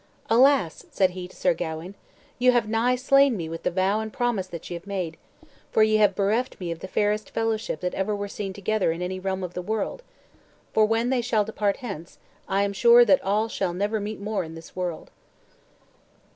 "Alas!" said he to Sir Gawain, "you have nigh slain me with the vow and promise that ye have made, for ye have bereft me of the fairest fellowship that ever were seen together in any realm of the world; for when they shall depart hence, I am sure that all shall never meet more in this world."